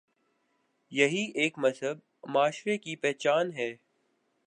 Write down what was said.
یہی ایک مہذب معاشرے کی پہچان ہے۔